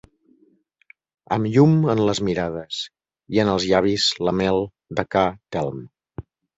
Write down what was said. Amb llum en les mirades i en els llavis la mel de ca Telm.